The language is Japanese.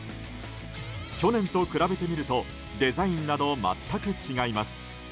去年と比べてみるとデザインなど全く違います。